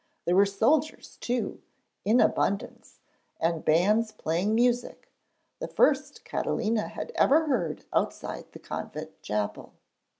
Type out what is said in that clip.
There were soldiers, too, in abundance and bands playing music the first Catalina had ever heard outside the convent chapel.